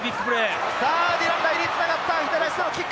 ディラン・ライリーにつながった！